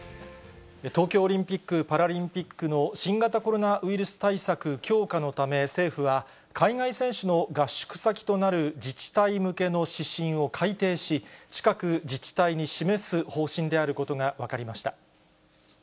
東京オリンピック・パラリンピックの新型コロナウイルス対策強化のため、政府は、海外選手の合宿先となる自治体向けの指針を改定し、近く、自治体に示す方針であることが分かりました。